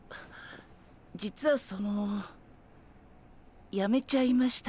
実はそのやめちゃいました。